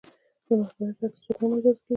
له محاکمې پرته هیڅوک نه مجازات کیږي.